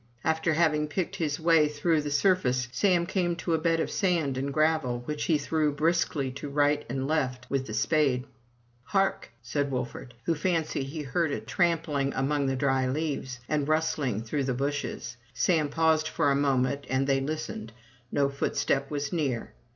After having picked his way through the sur face, Sam came to a bed of sand and gravel, which he threw briskly to right and left with the spade. "Hark!'' said Wolfert, who fancied he heard a trampling among the dry leaves, and a rustling through the bushes. Sam paused for a moment, and they listened. No footstep was near.